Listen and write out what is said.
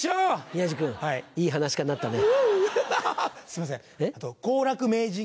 宮治君いい噺家になったね。